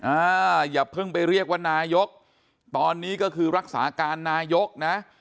อย่าเพิ่งไปเรียกว่านายกตอนนี้ก็คือรักษาการนายกนะ